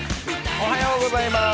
おはようございます！